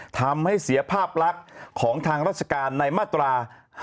ทำให้เสียภาพลักษณ์ของทางราชการในมาตรา๕๗